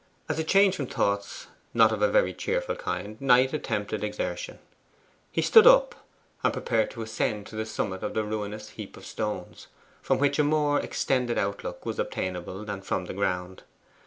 As a change from thoughts not of a very cheerful kind, Knight attempted exertion. He stood up, and prepared to ascend to the summit of the ruinous heap of stones, from which a more extended outlook was obtainable than from the ground.